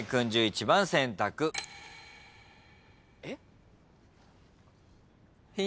えっ。